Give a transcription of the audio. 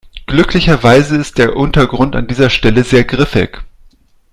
Glücklicherweise ist der Untergrund an dieser Stelle sehr griffig.